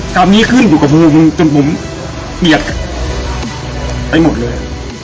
กรรมนี้ขึ้นอยู่กับมือมึงจนผมเปียกไปหมดเลย